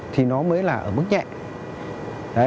thì nó mới là ở mức nhẹ